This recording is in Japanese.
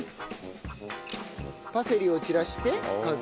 パセリを散らして完成。